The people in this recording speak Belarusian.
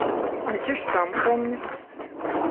А дзе ж сам помнік?